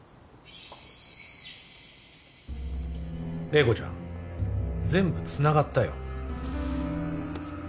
麗子ちゃん全部つながったよ。